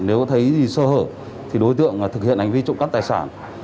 nếu thấy gì sơ hở thì đối tượng thực hiện hành vi trộm cắp tài sản